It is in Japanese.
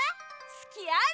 すきあり！